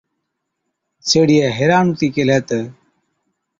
سِيهڙِيئَي حيران هُتِي ڪيهلَي تہ،